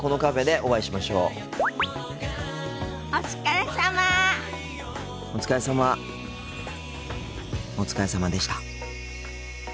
お疲れさまでした。